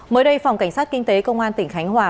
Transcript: mới đây phòng cảnh sát kinh tế công an tỉnh khánh hòa